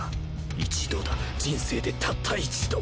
一度だ人生でたった一度！